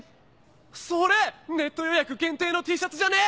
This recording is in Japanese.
それネット予約限定のＴシャツじゃね！？